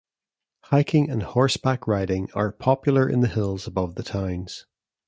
Hiking and horseback riding are popular in the hills above the towns.